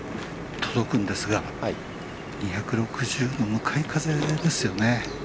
届くんですが２６０の向かい風ですよね。